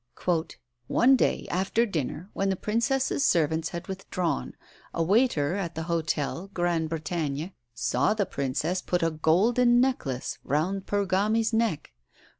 "One day, after dinner, when the Princess's servants had withdrawn, a waiter at the hotel, Gran Brettagna, saw the Princess put a golden necklace round Pergami's neck.